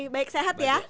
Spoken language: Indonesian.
baik sehat ya